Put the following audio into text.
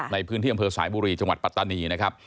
ในพื้นที่อำเภอสายบุรีจังหวัดปัตตานีนะครับ